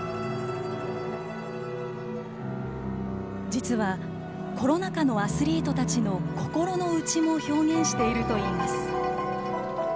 実はコロナ禍のアスリートたちの心の内も表現しているといいます。